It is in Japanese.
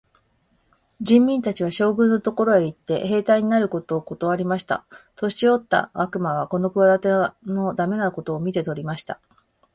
人民たちは、将軍のところへ行って、兵隊になることをことわりました。年よった悪魔はこの企ての駄目なことを見て取りました。